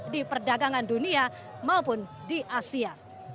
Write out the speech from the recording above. di perdagangan dunia maupun di asia